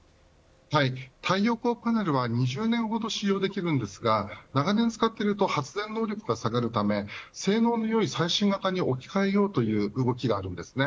太陽光パネルは２０年ほど使用できるんですが長年使っていると発電能力が下がるため性能のよい最新型に置き換えようという動きです。